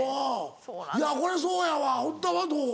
いやこれそうやわ堀田はどう？